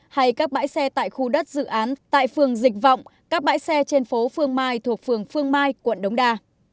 hay các bãi xe tại khu đất dự án tại phường dịch vọng các bãi xe trên phố phương mai thuộc phường phương mai quận đống đa